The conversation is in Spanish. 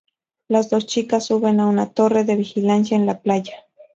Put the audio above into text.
Las dos chicas suben a una torre de vigilancia en la playa.